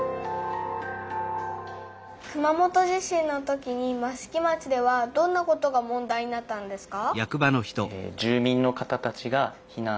熊本地震のときに益城町ではどんなことが問題になったんですか？